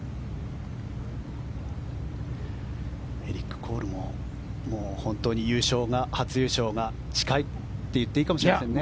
エリック・コールも初優勝が近いといっていいかもしれませんね。